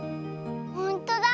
ほんとだ。